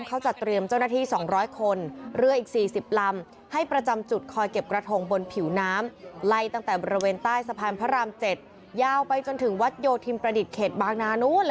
เขาจะเตรียมเจ้าหน้าที่๒๐๐คน